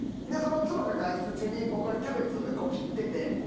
で妻が外出中に僕がキャベツ切ってて。